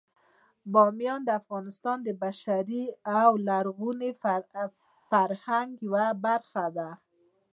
بامیان د افغانستان د بشري او لرغوني فرهنګ یوه برخه ده.